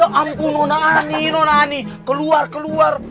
ya ampun nona ani nona ani keluar keluar